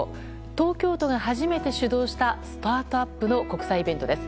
東京都が初めて主導したスタートアップの国際イベントです。